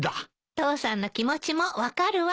父さんの気持ちも分かるわ。